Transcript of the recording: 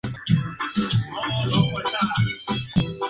Tras su estancia en el club minero, fichó por el Úbeda Club de Fútbol.